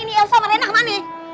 ini eosa sama rena kemana